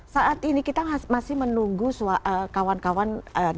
saat ini kita masih menunggu kawan kawan